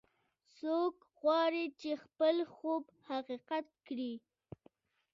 څوک غواړي چې خپل خوب حقیقت کړي